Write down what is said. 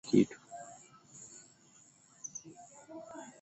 Wale wazee waligeukiana wakionyesha ishara ya kukumbuka kitu